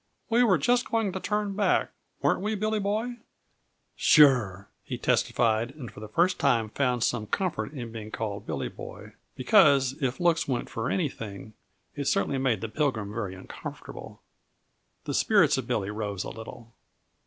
"We were just going to turn back weren't we, Billy Boy?" "Sure!" he testified, and for the first time found some comfort in being called Billy Boy; because, if looks went for anything, it certainly made the Pilgrim very uncomfortable. The spirits of Billy rose a little.